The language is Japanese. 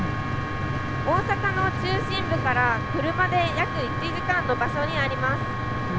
大阪の中心部から車で約１時間の場所にあります。